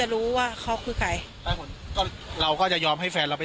เธอก็ไม่แถมคือไปหาพ่อไเลย